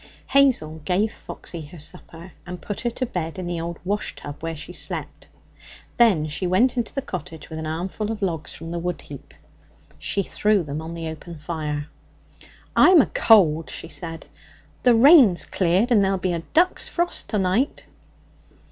Hazel gave Foxy her supper and put her to bed in the old washtub where she slept. Then she went into the cottage with an armful of logs from the wood heap. She threw them on the open fire. 'I'm a cold,' she said; 'the rain's cleared, and there'll be a duck's frost to night.'